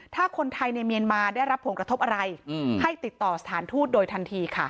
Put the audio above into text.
ถ้าคนไทยในเมียนมาได้รับผลกระทบอะไรให้ติดต่อสถานทูตโดยทันทีค่ะ